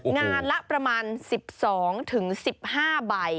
งานละประมาณ๑๒๑๕ใบ